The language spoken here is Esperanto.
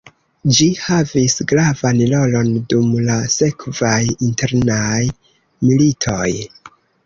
Ĝi havis gravan rolon dum la sekvaj internaj militoj.